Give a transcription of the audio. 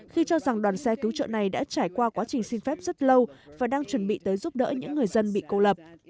khi cho rằng đoàn xe cứu trợ này đã trải qua quá trình xin phép rất lâu và đang chuẩn bị tới giúp đỡ những người dân bị cô lập